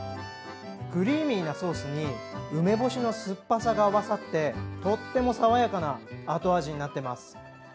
クリーミーなソースに梅干しの酸っぱさが合わさってとっても爽やかな後味になっています。